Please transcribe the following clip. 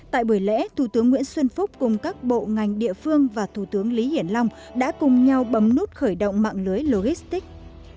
tại buổi lễ thủ tướng nguyễn xuân phúc cùng các bộ ngành địa phương và thủ tướng lý hiển long đã cùng nhau bấm nút khởi động mạng lưới logistics